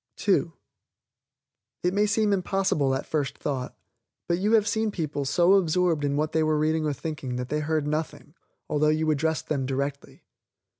(2) It may seem impossible at first thought, but you have seen people so absorbed in what they were reading or thinking that they heard nothing, although you addressed them directly.